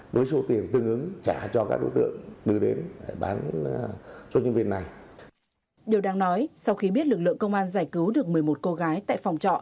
điều đáng nói sau khi biết lực lượng công an giải cứu được một mươi một cô gái tại phòng trọ